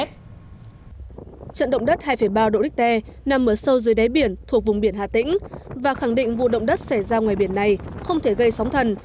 trận động đất hai ba độ richter nằm ở sâu dưới đáy biển thuộc vùng biển hà tĩnh và khẳng định vụ động đất xảy ra ngoài biển này không thể gây sóng thần